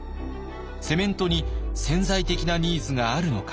セメントに潜在的なニーズがあるのか。